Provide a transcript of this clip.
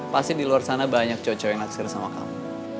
pasti di luar sana banyak cocok yang naksir sama kamu